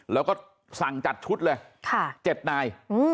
แล้วก็สั่งจัดชุดเลย๗นาย